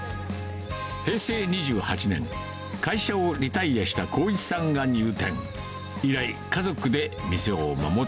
平成２８年、会社をリタイアした光一さんが入店。